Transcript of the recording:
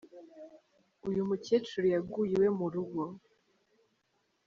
Uyu mukecuru yaguye iwe mu rugo.